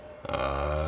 ああ